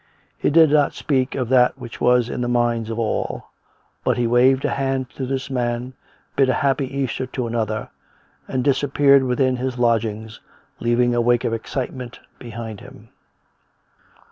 He did not speak of that which was in the minds of all, but he waved a hand to this man, bid a happy Easter to another, and disap peared within his lodgings leaving a wake of excitement behind him.